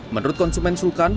menurut konsumen sukan